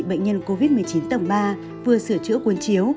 bệnh nhân covid một mươi chín tầng ba vừa sửa chữa cuốn chiếu